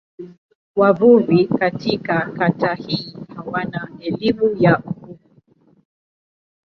Wavuvi katika kata hii hawana elimu ya uvuvi.